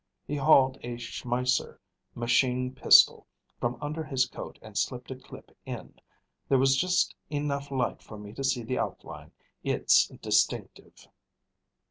He hauled a Schmeisser machine pistol from under his coat and slipped a clip in. There was just enough light for me to see the outline. It's distinctive."